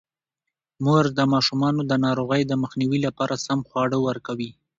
مور د ماشومانو د ناروغۍ د مخنیوي لپاره سم خواړه ورکوي.